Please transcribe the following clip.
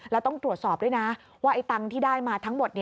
แล้วต้องตรวจสอบด้วยนะว่าไอ้ตังค์ที่ได้มาทั้งหมด